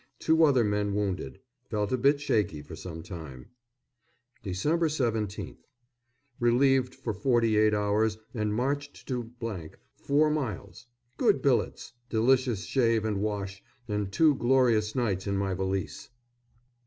Two other men wounded. Felt a bit shaky for some time. Dec. 17th. Relieved for forty eight hours and marched to , four miles. Good billets. Delicious shave and wash, and two glorious nights in my valise.